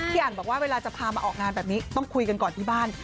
อันบอกว่าเวลาจะพามาออกงานแบบนี้ต้องคุยกันก่อนที่บ้าน